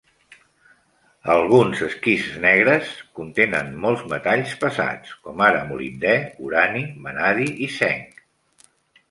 Alguns esquists negres contenen molts metalls pesats com ara molibdè, urani, vanadi i zinc.